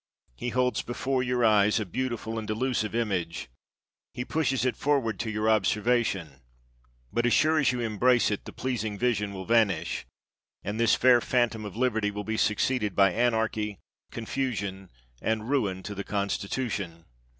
He holds before your eyes a beautiful and delusive image; he pushes it forward to your observation; but, as sure as you embrace it, the pleasing vision will vanish, and this fair phantom of liberty will be succeeded by anarchy, confusion, and ruin to the Consti tution.